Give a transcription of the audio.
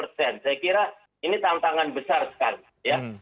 saya kira ini tantangan besar sekali ya